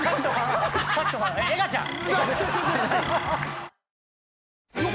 エガちゃん！